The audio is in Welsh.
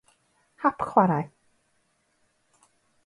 Hap-Chwarae.